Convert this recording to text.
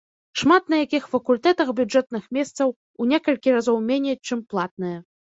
Шмат на якіх факультэтах бюджэтных месцаў у некалькі разоў меней чым платнае.